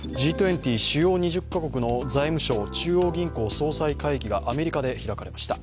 Ｇ２０、主要２０カ国の銀行の会議がアメリカで開かれました。